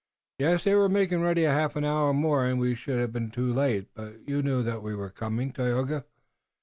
"Yes, they were making ready. A half hour more and we should have been too late. But you knew that we were coming, Tayoga?"